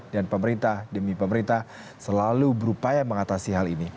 dan pemerintah demi pemerintah selalu berupaya mengatasi hal ini